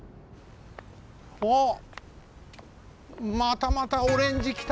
おっまたまたオレンジきた！